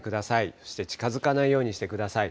そして近づかないようにしてください。